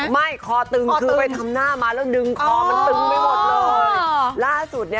ไม่คอตึงคือไปทำหน้ามาแล้วดึงคอมันตึงไปหมดเลย